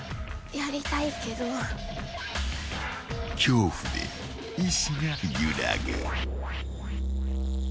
［恐怖で意思が揺らぐ］